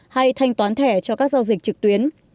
hay thanh toán thẻ cho các giao dịch trực tuyến